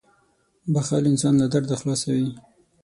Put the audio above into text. • بښل انسان له درده خلاصوي.